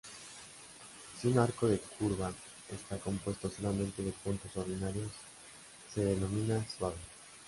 Si un arco de curva está compuesto solamente de puntos ordinarios se denomina "suave".